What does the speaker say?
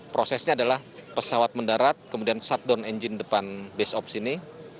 prosesnya adalah pesawat mendarat kemudian shutdown engine depan base ops ini